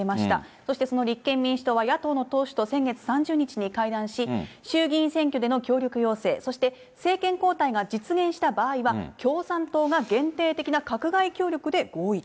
そしてその立憲民主党は、野党の党首と先月３０日に会談し、衆議院選挙での協力要請、そして政権交代が実現した場合は、共産党が限定的な閣外協力で合意と。